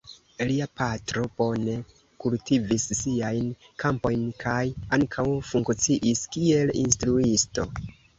Lia patro bone kultivis siajn kampojn kaj ankaŭ funkciis kiel instruisto.